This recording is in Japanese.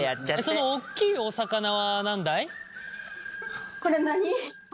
そのおっきいお魚は何だい？